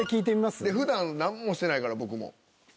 でふだん何もしてないから僕も。